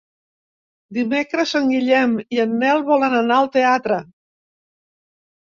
Dimecres en Guillem i en Nel volen anar al teatre.